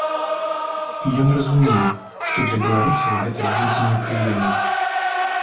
І ён разумее, што для беларусаў гэта будзе непрыемна.